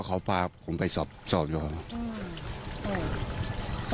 เขาพาผมไปสอบเลยวะ